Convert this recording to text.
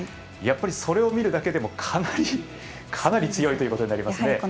やっぱり、それを見るだけでもかなり強いということになりますね。